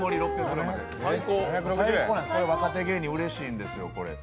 これは若手芸人うれしいんですよ。